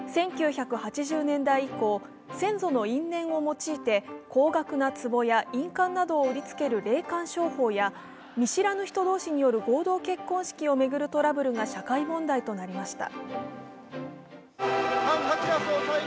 １９８０年代以降、先祖の因縁を用いて高額な壷や印鑑などを売りつける霊感商法や見知らぬ人同士による合同結婚式を巡る虎が社会問題となりました。